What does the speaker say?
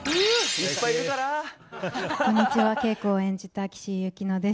こんにちは、ケイコを演じた岸井ゆきのです。